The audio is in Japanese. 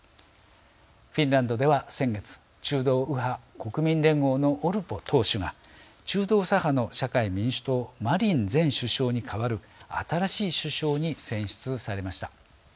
フィンランドでは先月中道右派・国民連合のオルポ党首が中道左派の社会民主党マリン前首相に代わる新しい首相に選出されました。